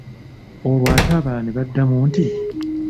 Olwo ate abalala ne baddamu nti